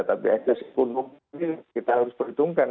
tapi ekonomi kita harus perhitungkan